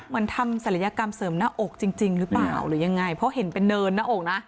ทำศัลยกรรมเสริมหน้าอกจริงหรือเปล่าหรือยังไงเพราะเห็นเป็นเนินหน้าอกนะ